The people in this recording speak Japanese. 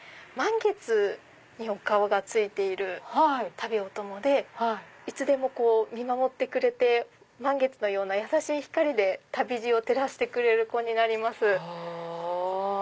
満月にお顔が付いてる「タビオトモ」でいつでも見守ってくれて満月のようなやさしい光で旅路を照らしてくれる子になります。